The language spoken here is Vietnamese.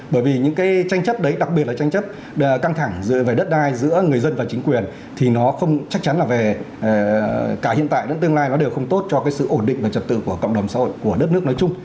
bởi vì những cái tranh chấp đấy đặc biệt là tranh chấp căng thẳng về đất đai giữa người dân và chính quyền thì nó không chắc chắn là về cả hiện tại đến tương lai nó đều không tốt cho cái sự ổn định và trật tự của cộng đồng xã hội của đất nước nói chung